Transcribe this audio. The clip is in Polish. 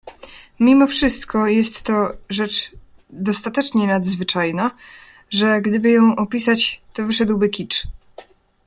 Mimo wszystko jest to rzecz dostatecznie nadzwyczajna, że gdyby ją opisać, to wyszedłby kicz.